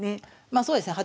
まあそうですね。